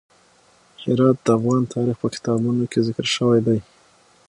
هرات د افغان تاریخ په کتابونو کې ذکر شوی دي.